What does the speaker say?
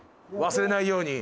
忘れないように。